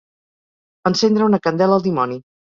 Encendre una candela al dimoni.